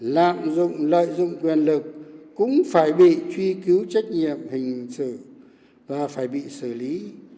lạm dụng lợi dụng quyền lực cũng phải bị truy cứu trách nhiệm hình sự và phải bị xử lý